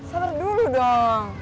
sabar dulu dong